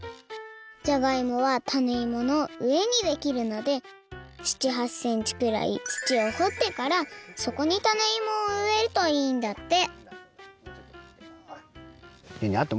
じゃがいもはタネイモの上にできるので７８センチくらい土をほってからそこにタネイモをうえるといいんだってでね